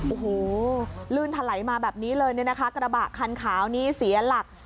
โอ้โหลื่นถลายมาแบบนี้เลยเนี่ยนะคะกระบะคันขาวนี้เสียหลัก